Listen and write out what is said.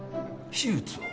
手術を？